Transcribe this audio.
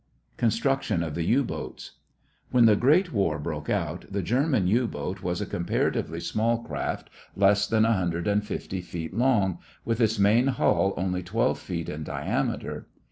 CONSTRUCTION OF THE U BOATS When the great war broke out, the German U boat was a comparatively small craft, less than 150 feet long, with its main hull only 12 feet in diameter.